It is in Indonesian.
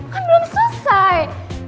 kan belum selesai